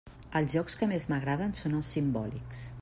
Els jocs que més m'agraden són els simbòlics.